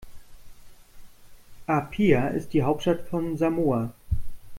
Apia ist die Hauptstadt von Samoa.